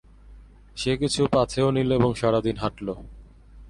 সে কিছু পাথেয় নিল এবং সারাদিন হাঁটল।